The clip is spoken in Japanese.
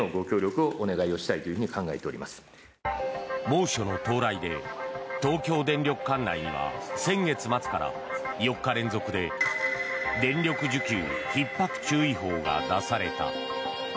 猛暑の到来で東京電力管内には先月末から４日連続で電力需給ひっ迫注意報が出された。